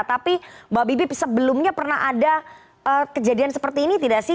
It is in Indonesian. tapi mbak bibi sebelumnya pernah ada kejadian seperti ini tidak sih